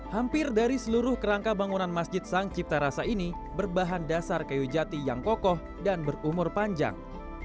hampir dari seluruh kerangka bangunan masjid sang cipta rasa ini berbahan dasar kayu jati yang kokoh dan berumur panjang